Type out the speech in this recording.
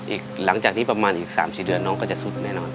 หลังจากที่ประมาณอีก๓๔เดือนน้องก็จะสุดแน่นอน